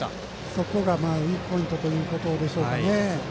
そこがウイークポイントということでしょうかね。